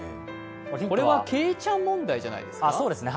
これはけいちゃん問題じゃないですか？